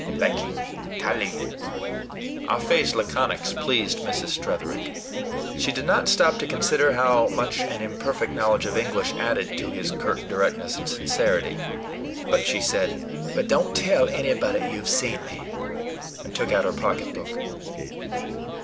Likee Tally." Ah Fe's laconics pleased Mrs. Tretherick. She did not stop to consider how much an imperfect knowledge of English added to his curt directness and sincerity. But she said, "Don't tell anybody you have seen me," and took out her pocketbook.